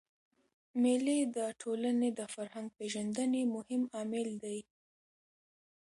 مېلې د ټولني د فرهنګ پېژندني مهم عامل دئ.